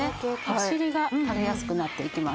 お尻がたれやすくなっていきます。